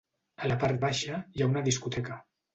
A la part baixa hi ha una discoteca.